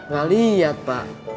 nggak liat pak